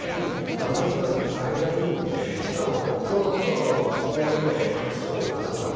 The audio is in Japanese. あの日はあれがインでしかも殿とのいきなりのアクションがあって。